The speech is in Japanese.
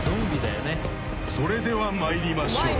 ［それでは参りましょう］